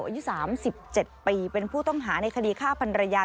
อายุสามสิบเจ็ดปีเป็นผู้ต้องหาในคดีฆ่าพันรยา